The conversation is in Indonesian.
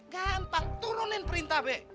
gampang turunin perintah be